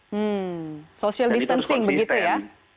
hmm social distancing begitu ya